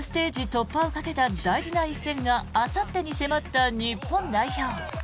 突破をかけた大事な一戦があさってに迫った日本代表。